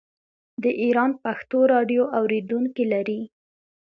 د ایران پښتو راډیو اوریدونکي لري.